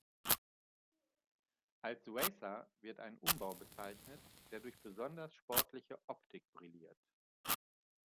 Als Racer wird ein Umbau bezeichnet, der durch besonders sportliche Optik brilliert.